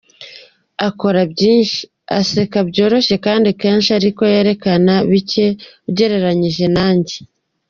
Akora byinshi, aseka byoroshye kandi kenshi ariko yerekana bike ugereranyije nanjye” .